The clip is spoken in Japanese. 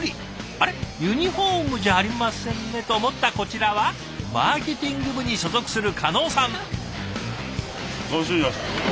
あれっユニフォームじゃありませんねと思ったこちらはマーケティング部に所属する叶さん。